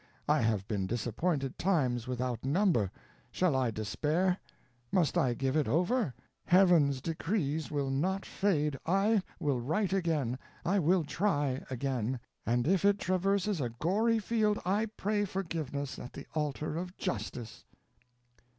I have been disappointed times without number. Shall I despair? must I give it over? Heaven's decrees will not fade; I will write again I will try again; and if it traverses a gory field, I pray forgiveness at the altar of justice."